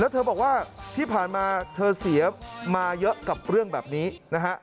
เธอบอกว่าที่ผ่านมาเธอเสียมาเยอะกับเรื่องแบบนี้นะฮะ